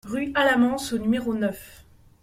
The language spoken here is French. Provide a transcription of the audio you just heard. Rue Alamans au numéro neuf